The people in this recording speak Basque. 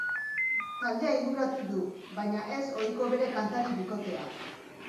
Taldea inguratu du, baina ez ohiko bere kantari-bikotea.